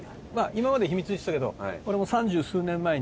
今まで秘密にしてたけど俺も三十数年前に。